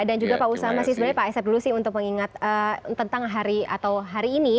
juga pak usama sih sebenarnya pak asep dulu sih untuk mengingat tentang hari atau hari ini